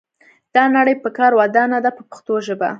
دا نړۍ په کار ودانه ده په پښتو ژبه.